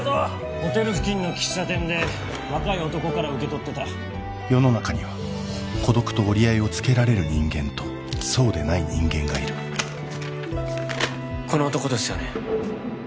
ホテル付近の喫茶店で若い男から受け取ってた世の中には孤独と折り合いをつけられる人間とそうでない人間がいるこの男ですよね？